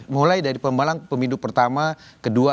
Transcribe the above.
mulai dari pemindu pertama kedua